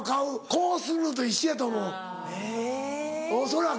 こうするのと一緒やと思う恐らく。